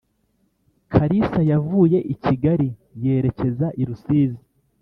Kalisa yavuye i Kigali yerekeza Irusizi